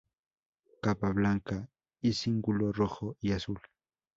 Capa blanca y cíngulo rojo y azul.